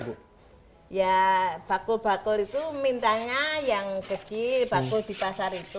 ya bakul bakul itu mintanya yang kecil bakul di pasar itu